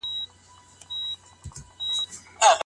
قلمي خط د اوریدلو مهارت هم ښه کوي.